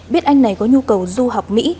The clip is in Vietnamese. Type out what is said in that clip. biết anh này có nhu cầu du học mỹ